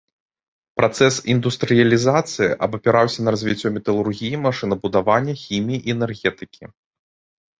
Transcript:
Працэс індустрыялізацыі абапіраўся на развіццё металургіі, машынабудавання, хіміі і энергетыкі.